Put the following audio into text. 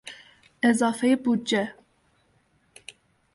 اضافه بودجه